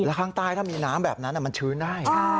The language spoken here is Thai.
ข้างใต้ถ้ามีน้ำแบบนั้นมันชื้นได้